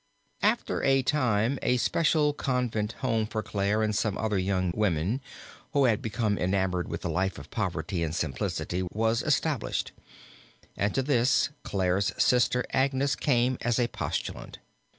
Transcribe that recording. After a time a special convent home for Clare and some other young women, who had become enamored with the life of poverty and simplicity was established, and to this Clare's sister Agnes came as a postulant.